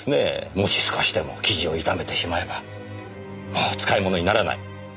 もし少しでも生地を傷めてしまえばもう使い物にならない。